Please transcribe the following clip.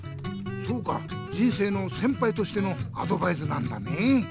そうか人生の先ぱいとしてのアドバイスなんだね！